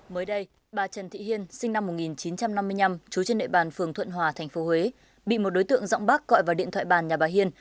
mới đây bà trần thị hiên sinh năm một nghìn chín trăm năm mươi năm chú trên nệ bàn phường thuận hòa tp huế bị một đối tượng giọng bắc gọi vào điện thoại bàn nhà bà hiên